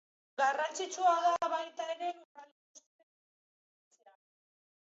Garrantzitsua da baita ere lurralde guztien narratiba biltzea.